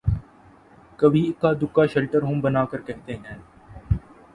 کبھی اکا دکا شیلٹر ہوم بنا کر کہتے ہیں۔